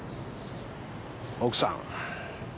奥さん。